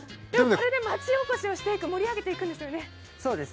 これで町おこし盛り上げていくんですよね。